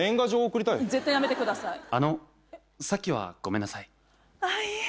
・さっきはごめんなさい。